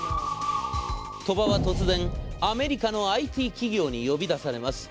鳥羽は突然、アメリカのＩＴ企業に呼び出されます。